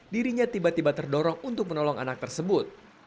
dirinya tiba tiba terdorong untuk menolong anak tersebut